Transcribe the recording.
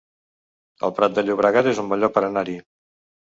El Prat de Llobregat es un bon lloc per anar-hi